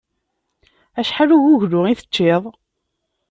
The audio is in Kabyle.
Acḥal n uguglu i teččiḍ?